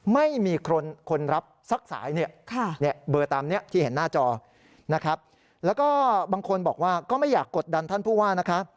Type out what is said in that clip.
ไม่มีคนรับสักสายเนี่ยเบอร์ตามนี้ที่เห็นหน้าจอนะครับแล้วก็บางคนบอกว่าก็ไม่อยากกดดันท่านผู้ว่านะคะ